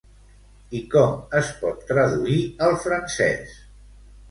I com es pot traduir al francès?